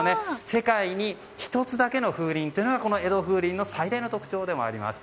世界に１つだけの風鈴というのが江戸風鈴の最大の特徴でもあります。